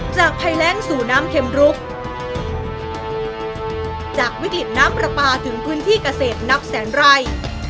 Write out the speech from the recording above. ภัยแรงสู่น้ำเข็มรุกจากวิกฤตน้ำปลาปลาถึงพื้นที่เกษตรนับแสนไร่